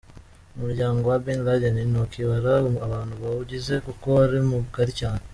Umuryango wa Ben Laden ntukibara abantu bawugize kuko ari mugari cyane.